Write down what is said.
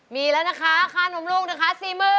มีแล้วนะคะค่านมลูกนะคะ๔๐๐๐